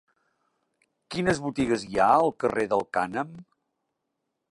Quines botigues hi ha al carrer del Cànem?